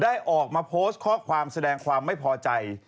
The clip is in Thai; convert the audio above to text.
ออกมาโพสต์ข้อความแสดงความไม่พอใจ